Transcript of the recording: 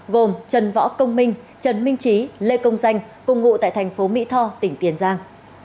gồm trần võ công minh trần minh trí lê công danh cùng ngụ tại thành phố mỹ tho tỉnh tiền giang